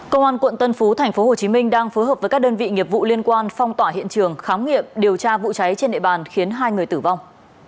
công an quận tân phú tp hcm đang phối hợp với các đơn vị nghiệp vụ liên quan phong tỏa hiện trường khám nghiệm điều tra vụ cháy trên địa bàn khiến hai người tử vong